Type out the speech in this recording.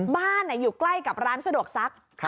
บ้านอยู่ใกล้กับร้านสะดวกซัก